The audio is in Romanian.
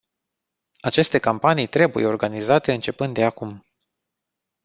Aceste campanii trebuie organizate începând de acum.